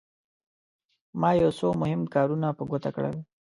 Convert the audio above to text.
ما یو څو مهم کارونه په ګوته کړل.